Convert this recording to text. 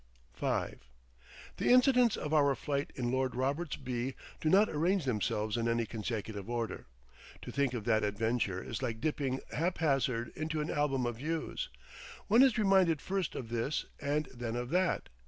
V The incidents of our flight in Lord Roberts β do not arrange themselves in any consecutive order. To think of that adventure is like dipping haphazard into an album of views. One is reminded first of this and then of that.